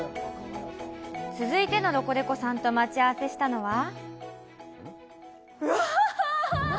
続いてのロコレコさんと待ち合わせしたのはうわ！